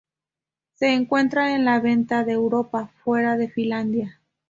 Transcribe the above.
Se encuentra a la venta en Europa, fuera de Finlandia.